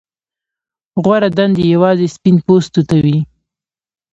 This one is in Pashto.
غوره دندې یوازې سپین پوستو ته وې.